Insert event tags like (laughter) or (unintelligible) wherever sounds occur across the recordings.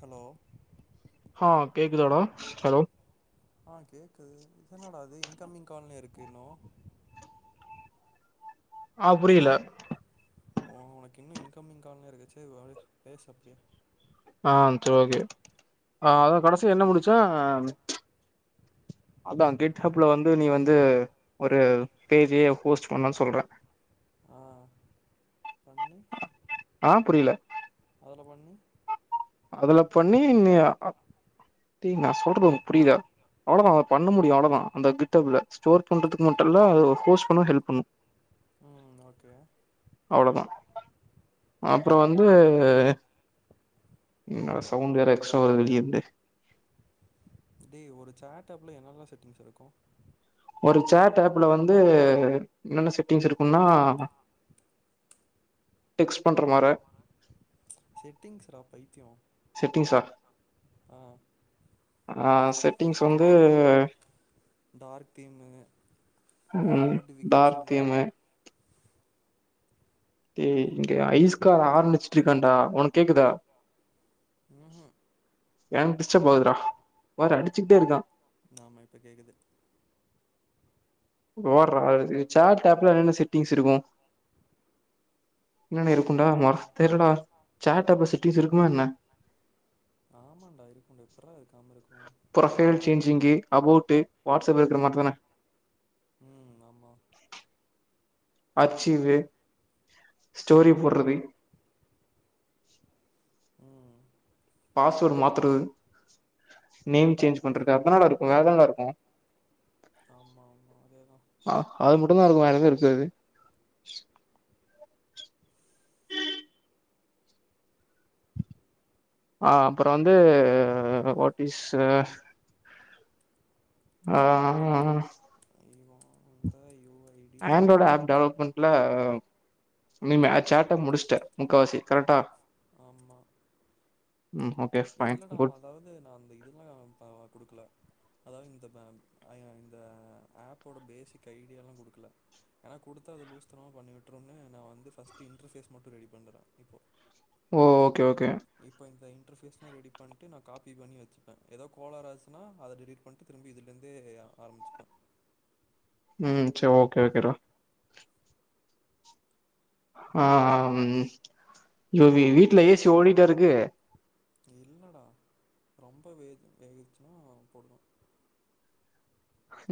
hello ஹ கேக்குதாடா hello ஆ கேக்குது இதெனடா இது இன்கம்மிங் கால்னு இருக்கு இன்னு ஆ புரியல உனகு இன்னு இன்கம்மிங் கால்னு இருக்கு சேரி அப்படியே பேசு அப்படியே ஆ சோ ஓகே ஆ அத கடைசி என்ன முடிச்சே அதா கிட்ஹபல வந்து நீ வந்து ஒரு பேஜயே ஹோஸ்ட் பண்லா சொல்றே ஆ பண்ணி ஆ புரியல அதல பண்ணி அதல பண்ணி நீ அ டேய் நா சொல்றது உனகு புரியிதா அவளோதா அத பண்ண முடியு அவளோத அந்த கிட்ஹப்ல ஸ்டோர் பண்றதுக்கு மட்டு தா ஹோஸ்ட் பண்ண ஹெல்ப் பண்ணு ம் ஓகே அவ்ளோதா ஆ அப்புறோ வந்து ம் என்ன டா சவுண்ட வேற எக்ஸ்ட்ரா வருது வெளியிருந்து டே ஒரு சேட் ஆப்ல என்னலா செட்டிங்ஸ் இருக்கு ஒரு சேட் ஆப்ல வந்து என்னென செட்டிங்ஸ் இருக்குனா டெக்ஸ் பண்ற மார செட்டிங்ஸ்ரா பைதியோ செட்டிங்ஸா ஆ ஆ செட்டிங்ஸ் வந்து டார்க் தீமு ஊ ம் நோட்டிஃபிகேஷனு (unintelligible) டேய் இங்க ஐஸ்கார ஹார்ன் அடிச்சிட் இருக்கான்டா ஒனக் கேக்குதா ம் ம் எனக் டிஸ்டர்ப் ஆகுதுடா பார் அடிச்சுகிட்டே இருக்கா ஆமா இப்ப கேக்குது வார்ரா சேட் ஆப்ல என்னென்ன செட்டிங்ஸ் இருக்கு என்னன்ன அதா இருக்கும்டா மா தெர்ல தெர்லடா சேட் ஆப்ல செட்டிங்ஸ் இருக்குமா என்ன ஆமான்டா இருக்குன்டா எப்பட்ரா இருக்காம இருக் ப்ரொபைல் சேஞ்சிங்கு அபோட்டு வாட்ஸ்ஆப்ல இருக்கற மாறி தான ம் ஆம்மா ஆச்சீவு ஸ்டோரி போட்றது ம் பாஸ்வேர்டு மாத்றது நேம் சேஞ்ச் பண்றது அத்தானடா இருக்கு வேரென்னடா இருக்கு ஆமா ஆமா அதேதா அ அது மட்டுதா இருக்கு வேர எதுவு இருக்காது ஆ அப்றோ வந்து வாட்டிஸ்சு ஆ ஐயோ அந்த ஐயோ வை ஆண்ட்டோடா ஆப் டெவலப் பண் ல்ல நீ மே சேட்ட முடிச்ட்ட முக்காவாசி கரெக்டா ஆம்மா ம் ஒ இல்லடா அதாவது நா அந்த இதுதலா பரவா குடுக்கல அதாவ இந்த பே அ இந்த ஆப்போட பேசிக் ஐடியால்லா குடுக்கல ஏன குடுத்த எத லூஸ்தனமா பண்ணியூட்ருனு நா வந்து ஃபஸ்டு இன்டர்ஃபேஸ் மட்டு ரெடி பண்றடா இப்போ ஓ ஓகே ஓகே இப்ப இந்த இன்டர்ஃபேஸ்லா ரெடி பண்ட்டு நா காப்பி பண்ணி வச்சுப்ப எதா கோலாராச்சுனா அத டெலிட் பண்ட்டு திரும்பி இதுல இருந்தே ஆரம்பிச்ப்ப ம் சே ஓக்கே ஓகே டா ஆ ஆ ம் ம் இவ் இ வீட்ல ஏசி ஓடிட்டா இருக்கு இல்லடா ரொம்ப வேத் வேகுச்சுனா போடுவோ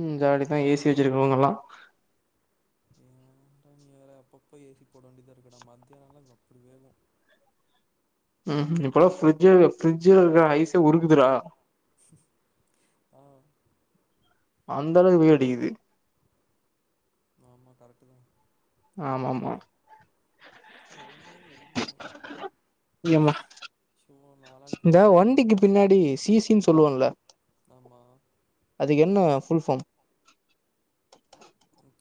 ம் ஜாலி தா ஏசி வைச்சுருக்கவங்கெல்லா ஏன்டா நீ வேர அப்பப்போ ஏசி போட வேண்டியதா இருக்குடா மத்தியானலா இங்க அப்டி வேகு ம் இப்பலா ஃப்ரிட்ஜு ஃப்ரிட்ஜுல இருக்ற ஐசே உருகுதுடா ஆ அந்தளவுக்கு வெயிலடிக்குது ஆமா கரெக்டுதா ஆமாமா ஒழுங்காவே எதுவுமே எம்மா ஷோ நாளான்னைக்கு வேற இந்தா எக்ஸாம் வண்டிக்கு இருக்கு பின்னாடி சீ சீ ன்னு சொல்லுவன்ல்ல ஆமா அத என்ன ஃபுல் ஃபார்ம்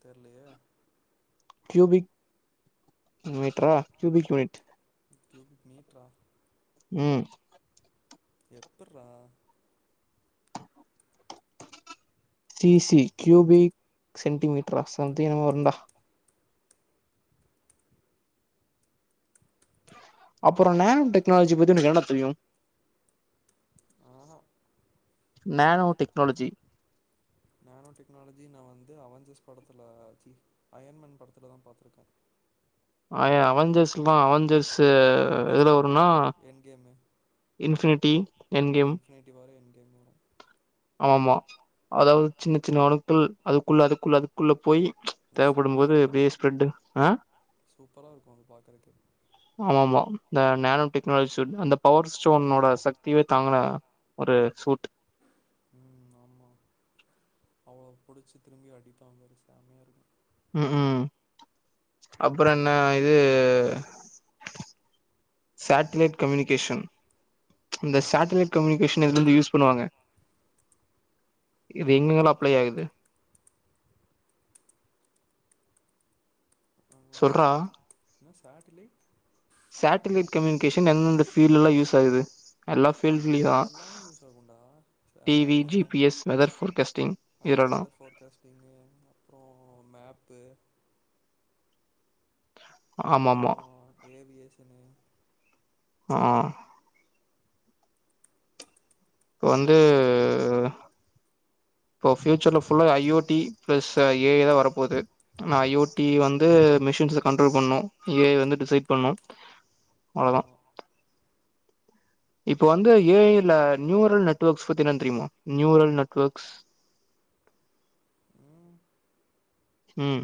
தெர்லயே கியூபிக் மீட்ரா கியூபிக் யூனிட் கியூபிக் மீட்ரா ம் எப்பட்ரா சி சி கியூபிக் சென்டிமீட்ரா சம்திங் எதோ வருன்டா அப்புற நேனோ டெக்னாலஜி பத்தி உனக்கு என்னடா தெரியு ஹு ஹும் நேனோ டெக்னாலஜி நேனோ டெக்னாலஜி நா வந்து அவஞ்சர்ஸ் படத்துல சி அயர்ன்மேன் படத்துல தா பாத்துருக்கே ஆய அவஞ்சர்ஸ்ல்லா அவஞ்சர்ஸ் அவஞ்சர்ஸ்தா எண்ட்கேமே இன்ஃபினிட்டி எண்ட் கேம் இன்பினிட்டியு வரும் எண்ட் கேம்மு வரும் ஆமா அதாவது சின்ன சின்ன அணுக்கள் அதுக்குள்ள அதுக்குள்ள அதுக்குள்ள போய் தேவைப்படும் செம்மயா போது இருக்கு ஆனா அப்டியே ஸ்ப்ரெட் ஆ சூப்பரா இருக்கு அது பாக்குறதுக்கு ஆமா ஆமா நே நேனோ டெக்னாலஜி சூட் அந்த பவர் ஸ்டோனோட சக்தியே தாங்குன ஒரு சூட் ம் ஆமா அவள புடிச்சு திரும்பி அடிப்பான் பாரு செமயா இருக்கும் ம் ம் அப்புற என்ன இது சாட்டிலைட் கம்யூனிகேஷன் இந்த சாட்டிலைைட் கம்யூனிகேஷன் இதுல ந்து யூஸ் பண்ணுவாங்க இது எங்கங்களா அப்ளை ஆகுது ஆ சொல்றா என்ன சாட்டிலைட் சாட்டிலைட் கம்யூனிகேஷன் எந்தெந்த ஃபீல்டுல யூஸ் ஆகுது எல்லா ஃபீல்ட்லுயு தா எல்லாமே யூஸ் ஆகுண்டா ச டி வி ஜி இது பி எஸ் வெதர் ஃபோர்காஸ்டிங் அதா இதுலலா வெதர் ஃபோர்காஸ்டிங்கு அப்றோ மேப்பு அப்புறோ ஆமாமா ஏவியேஷனு ஆ வந்து இப்போ ஃப்யூச்சர்ல ஃபுல்லா I O T plus A I தா வரப்போது ஐ ஓ டி வந்து மிஷின்ஸ்ஸ கண்ட்ரோல் பண்ணு ஏ ஐ வந்து டிசைட் பண்ணு அவ்ளோதா ஆமா இப்ப வந்து ஏ ஐ ல நியூரல் நெட்வர்க்ஸ் பத்தீன தெரியுமா நியூரல் நெட்வொர்க்ஸ் ம் ம்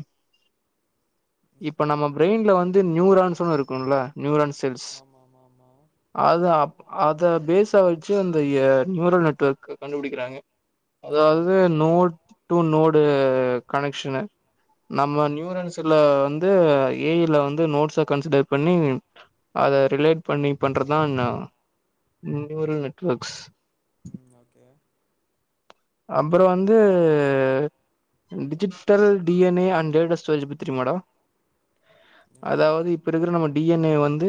நியூரோ இப்ப நம்ம நெட்வொர்க்ஸா ப்ரெயின்ல வந்து நியூரான்ஸ்னு இருக்குல நியூரான் செல்ஸ் ஆமா மா மா அத அப் அத பேஸா வச்சு அந்த நியூரல் நெட்வொர்க் கண்டுபிடிக்கிறாங்க ஆ அதாவது நோடு டூ நோடு கனெக்ஷன்னு நம்ம ம் நியூரன்ஸ்ல வந்து ஏ ஐ ல வந்து நோடுஸ கன்சிடர் பண்ணி அத ரிலேட் பண்ணி பண்றதுதா என்ன நியூரல் நெட்வொர்க்ஸ் ம் ஓகே அப்றோ வந்து digital D N A and data storage பத்தி தெரியுமாடா என்னது அதாவ்து இப்ப இருக்ற நம்ம டி என் ஏ வந்து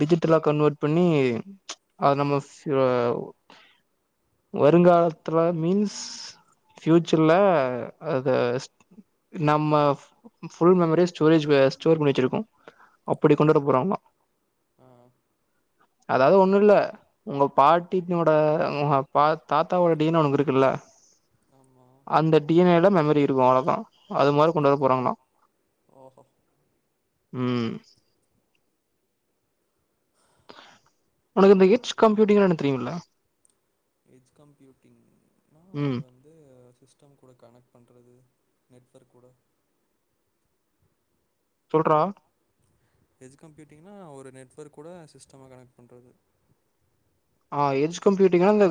டிஜிட்டலா கன்வெர்ட் பண்ணி அது நம்ம ப்யூ வருங்காலத்ல மீன்ஸ் ஃபியூச்சர்ல அத நம்ம ஃபுல் மெமரிஸ் ஸ்டோரேஜ்குல ஸ்டோர் பண்ணி வச்சுருக்கோ அப்படி கொண்டு ஓகே வர போறாங்களா ஆ ஆ அதாது ஒண்ணுல்ல உங்க பாட்டினோட பாத் தாத்தாவோட டீ என் ஏ உனக் இருக்குல்ல ஆமா அந்த டி என் ஏ ல மெமரி இருக்கு அவ்ளோதா அதுமாரி கொண்டு வர போறாங்களா ஓஹோ ம் உனக்கு இந்த ஹச் கம்ப்யூட்டிங்னா என்ன தெரியுல்ல ஹெச் கம்ப்யூட்டிங்னா அது ம் வந் து சிஸ்டம் கூட கனெக்ட் பண்றது நெட்வொர்க் கூட சொல்றா ஹெச் கம்ப்யூட்டிங்னா ஒரு நெட்வொர்க் கூட சிஸ்டம கனெக்ட் பண்றது ஆ ஹெச் கம்ப்யூட்டிங்னா இந்த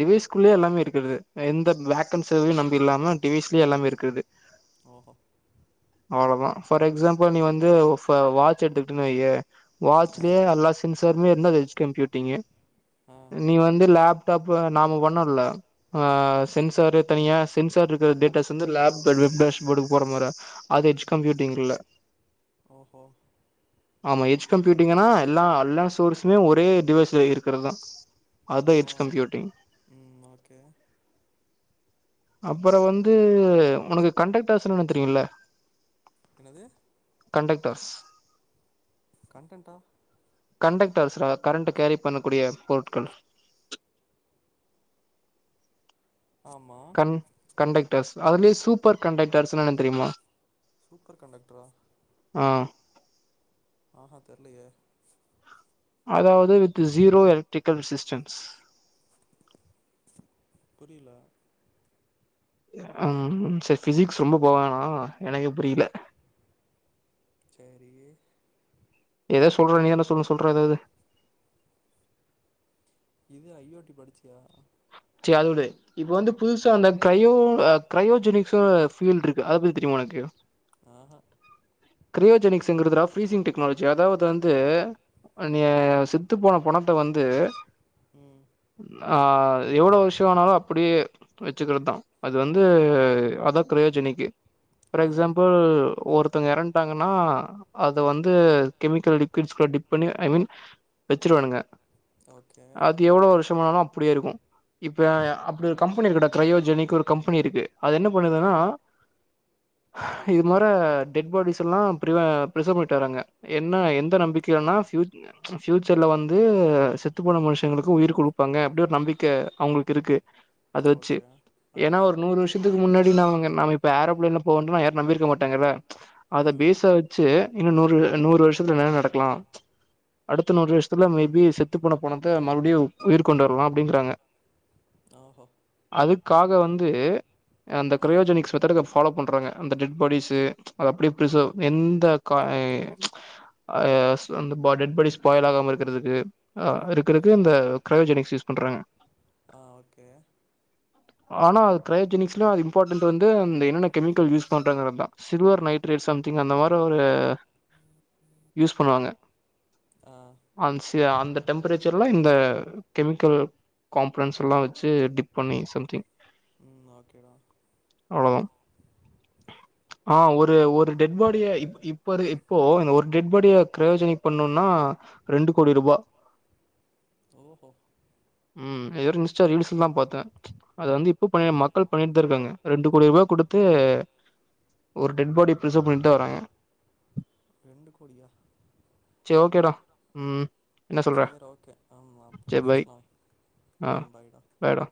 டிவைஸ்குள்ளேயே எல்லாமே இருக்கறது எந்த வேக்கன்சையு நம்பி இல்லாம டிவிஸ்லயே எல்லாமே இருக்கிறது ஓஹோ அவ்ளதா ஃபார் எக்ஸாம்புள் நீ வந்து வாட்ச் எத்துக்குட்ட வையே ஆ வாட்ச்லேயே எல்லா சென்சாருமே இருந்தா அது ஹெச் கம்ப்யூட்டிங்கு ஆ நீ வந்து லேப்டாப்பு நாமோ பண்னோல்ல ஆ சென்சாரு தனியா சென்சார் இருக்ற டேட்டாஸ் வந்து லேப் வெப்டாஷ் போர்டுக்கு போற மார அது ஹெச் கம்ப்யூட்டிங் இல்ல உம் ஆமா ஹெச் கம்ப்யூட்டிங்னா எல்லா அல்லா சோர்ஸுமே ஒரே டிவைஸ்ல இருக் கறதா அதா ஹெச் கம்ப்யூட்டிங் ஓக்கே அப்புற வந்து உனக் கண்டக்டார்ஸ் என்னன் தெரியுல்ல என்னது கண்டெக்டர்ஸ் கண்டன்ட்டா கண்டக்டர்ஸ்ரா கரண்ட் கேரி பண்ணக்கூடிய பொருட்கள் ஆமா கண் கண்டக்டர்ஸ் அதுலயே சூப்பர் கண்டக்டர்ஸ்னா என்ன தெரியுமா சூப்பர் கண்டெக்ட்ரா ஆ ஆஹ தெர்லயே அதாவது வித் ஜீரோ எலக்ட்ரிக்கல் சிஸ்டம்ஸ் புரில ம் சரி பிசிக்ஸ் ரொம்ப போவேனா எனக்கே புரில சேரி ஏதோ சொல்ற நீ என்ன சொல்லு சொல்ற ஏதாது இது ஐ ஓ டி படிச்சியா ச அதவுடு இப்ப வந்து புதுசா அந்த க்ரையோ க்ரையோஜெனிக்ஸ்சோ ஃபீல் இருக்கு அத பத்தி தெரியுமா உனக்கு ஆஹ கிரையோஜெனிக்ஸ்ங்கிறதுரா ஃப்ரீஸிங் டெக்னாலஜி அதாவது வந்து அ நீங்க சொத்து போன பொணத்த வந்து ம் ஆ எவ்ளோ வருஷோ ஆனாலு அப்படியே வச்சுக்கர் தா அது வந்து அதா கிரயோஜனிக்கு ஃபார் ஆ எக்ஸம்பிள் ஒருத்தங்க எறந் டாங்கன்னா அத வந்து கெமிக்கல் (unintelligible) டிப் பண்ணி ஐ மீன் வச்சிடுவானுங்க ஓகே து எவ்ளோ வருஷமானாலு அப்டியே இருக்கு இப்ப அப்புடி ஒரு கம்பெனி இருக்குடா க்ரையோஜெனிக் ஒரு கம்பெனி இருக்கு அது என்ன பண்ணுதுன்னா இது மற டெட் பாடிஸ் க்கெல்லா ப்ரிவ ப்ரிசர்வேட்டர் அங்க என்ன எந்த நம்பிக்கைலனா ப்யூ ப்ஃயூச்சர்ல வந்து செத்து போன மனுஷங்களுக்கு உயிர் குடுப்பாங்க அப்படி ஒரு நம்பிக்க அவங்களுக்கு இருக்கு அது வச்சு ஓகே ஆ ஏனா ஒரு நூறு வருஷத்துக்கு முன்னாடி நாங்க நாம இப்ப ஏரோ ப்ளேன்ல போவோன்டு யாரு நம்பிருக்க மாட்டங்கல்ல அத ம் பேஸா வச்சு இன்னு நூறு நூறு வருஷத்துல என்ன நடக்கலா அடுத்த நூறு வருஷத்துல மேபி செத்து போன பொணத்த மறுபடியு உயிர் கொண்டு வரலா அப்டிங்கிறாங்க ஆஹோ அதுக்காக வந்து அந்த ஆ க்ரயோஜனிக்ஸ் மெத்தேட இது ஃபாலோ பண்றாங்க அந்த டெட் பாடிஸ்சு அத அப்டி ப்ரிசர்வ் எந்த காய் அ ஸ் அந்த டெட் பாடிஸ் ஸ்பாய்ல் ஆகாம இருக்கிறதுக்கு ஆ இருக்கருக்கு இந்த க்ரயோஜெனிக்ஸ் யூஸ் பண்றாங்க ஆ ஓகே ஆனா க்ரையோஜெனிக்ஸ்ல இம்பார்டன்ட் வந்து என்னென்ன கெமிக்கல் யூஸ் பண்றாங்கன்றது தா சில்வர் நைட் ட்ரே சம்திங் அந்த மாரி ஒரு யூஸ் பண்ணுவாங்க ஆ அன் சே அந்த டெம்பரேச்சர்ல இந்த கெமிக்கல் காம்பொனென்ஸ் எல்லா வச்சு டிப் பண்ணி சம்திங் ம் ஓகேடா அவ்வளோதா ஆ ஒரு ஒரு டெட் பாடிய இப்ப இப்போ இந்த ஒரு டெட் பாடிய க்ரயோஜெனிக் பண்ணுன்னா ரெண்டு கோடி ரூபா ஓஹோ ம் ஏதோ இன்ஸ்டா ரீல்ஸ்ல தா பாத்த அத வந்து இப்ப பண்ண மக்கள் பண்ணிட்டுதா இருக்காங்க ரெண்டு கோடி ரூபா குடுத்து ஒரு டெட் பாடி ப்ரிசர்வ் பண்ணிட்டு தா வராங்க ரெண்டு கோடியா சே ஓகே டா ம் என்ன சொல்ற சேரி ஓகே ஆமா அப்றோ சரி பேசலா ம் பாய்டா பாய் டா